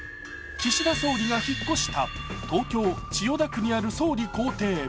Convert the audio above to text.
岸田総理が引っ越した東京・千代田区にある総理公邸。